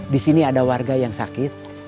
di sini ada warga yang sakit